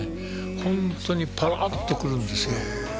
ホントにパラッとくるんですよ